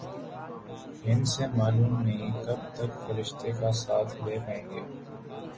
ہندسے معلوم نہیں کب تک فرشتے کا ساتھ دے پائیں گے۔